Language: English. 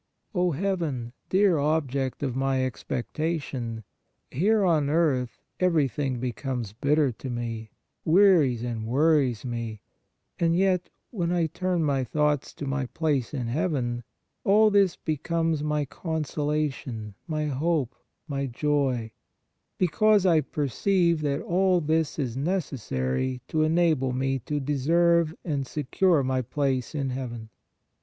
O Heaven, dear object of my expectation! Here on earth everything becomes bitter to me, wearies and worries me; and yet when I turn my thoughts to my place in heaven, all this becomes my consola tion, my hope, my joy, because I perceive that all this is necessary to enable me to deserve and secure my place in heaven.